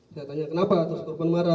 saya tanya kenapa terus korban marah